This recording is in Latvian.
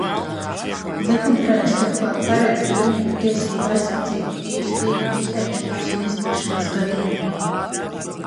Likumprojekts turklāt paredz īrnieku tiesību aizsardzību īres līguma izbeigšanās un izlikšanas gadījumā.